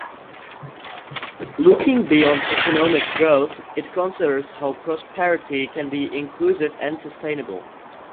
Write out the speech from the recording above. Looking beyond economic growth, it considers how prosperity can be inclusive and sustainable.